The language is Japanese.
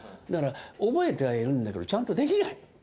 だから覚えてはいるんだけどちゃんとできない。